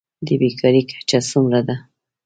د بیکارۍ کچه څومره ده؟